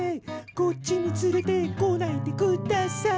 こっちにつれてこないで下さい！」